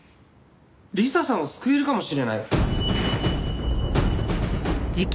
理彩さんを救えるかもしれない？